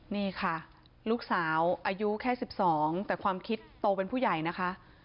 นี่ค่ะลูกสาวอายุแค่๑๒แต่ความคิดโตเป็นผู้ใหญ่นะคะ